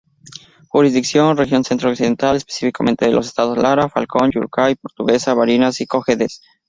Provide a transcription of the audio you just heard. Jurisdicción: Región Centro-Occidental, específicamente los estados Lara, Falcón, Yaracuy, Portuguesa, Barinas y Cojedes.